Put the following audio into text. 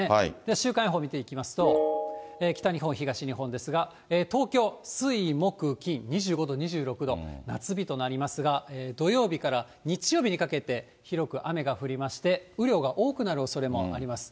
週間予報見ていきますと、北日本、東日本ですが、東京、水、木、金、２５度、２６度、夏日となりますが、土曜日から日曜日にかけて広く雨が降りまして、雨量が多くなるおそれもあります。